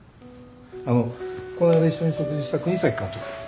あのこないだ一緒に食事した國東監督。